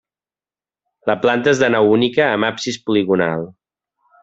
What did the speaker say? La planta és de nau única amb absis poligonal.